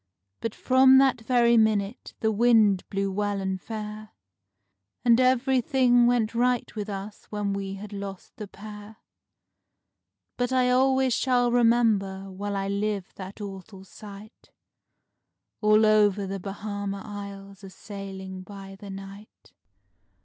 But from that very minute the wind blew well and fair, And everything went right with us when we had lost the pair; But I always shall remember while I live that awful sight, All over the Bahama Isles a sailing by the night.